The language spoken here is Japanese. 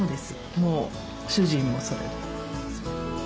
もう主人もそれで。